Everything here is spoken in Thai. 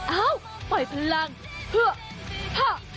เอ้าปล่อยพลังเพื่อผ้า